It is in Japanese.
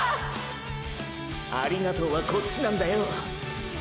ありがとうはこっちなんだよ！！